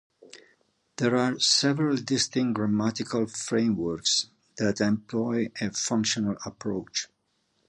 There are several distinct grammatical frameworks that employ a functional approach.